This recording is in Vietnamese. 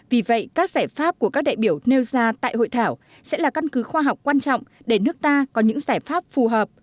vì vậy các giải pháp của các đại biểu nêu ra tại hội thảo sẽ là căn cứ khoa học quan trọng để nước ta có những giải pháp phù hợp